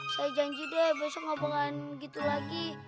saya janji deh besok gak bakalan gitu lagi